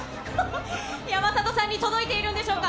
山里さんに届いているんでしょうか。